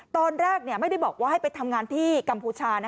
ตอนแรกไม่ได้บอกว่าให้ไปทำงานที่กัมพูชา